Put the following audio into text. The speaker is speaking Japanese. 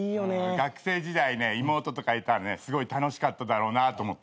学生時代ね妹とかいたらねすごい楽しかっただろうなと思って。